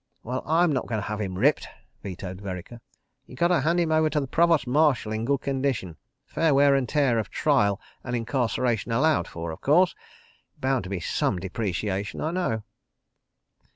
"Well, I'm not going to have him ripped," vetoed Vereker. "You gotter hand him over to the Provost Marshal in good condition. .. Fair wear and tear of trial and incarceration allowed for, of course. ... Bound to be some depreciation, I know."